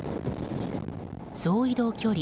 総移動距離